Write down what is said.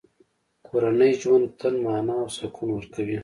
کورنۍ ژوند ته مانا او سکون ورکوي.